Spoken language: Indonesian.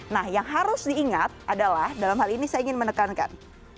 nah yang harus diingat adalah dalam hal ini saya ingin menekankan